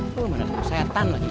kok lu bener sama setan lagi